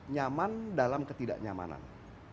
nyaman dalam ketidaknyamanan